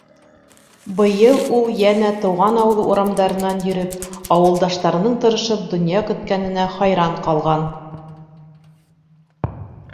Быйыл ул йәнә тыуған ауылы урамдарынан йөрөп, ауылдаштарының тырышып донъя көткәненә хайран ҡалған.